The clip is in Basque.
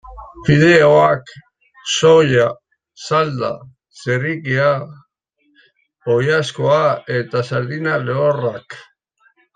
Fideoak, soia salda, txerrikia, oilaskoa eta sardina lehorrak.